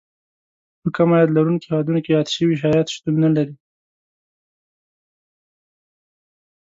په کم عاید لرونکو هېوادونو کې یاد شوي شرایط شتون نه لري.